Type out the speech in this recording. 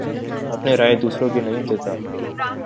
اپنے رائے دوسروں کے نہیں دیتا